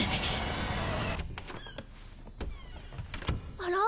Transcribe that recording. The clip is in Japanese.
あら？